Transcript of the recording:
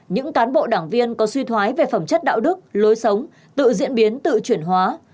những cán bộ đảng viên có suy thoái về phẩm chất đạo đức lối sống tự diễn biến tự chuyển hóa